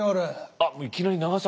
あっいきなり長崎。